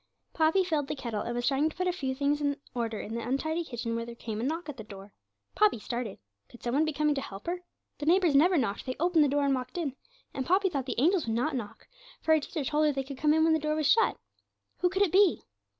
Poppy filled the kettle, and was trying to put a few things in order in the untidy kitchen when there came a knock at the door. Poppy started. Could some one be coming to help her? The neighbours never knocked they opened the door and walked in and Poppy thought the angels would not knock, for her teacher told her they could come in when the door was shut. Who could it be?